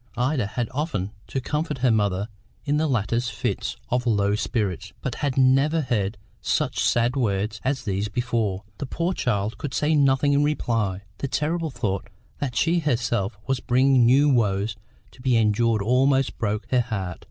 Ida had often to comfort her mother in the latter's fits of low spirits, but had never heard such sad words as these before. The poor child could say nothing in reply; the terrible thought that she herself was bringing new woes to be endured almost broke her heart.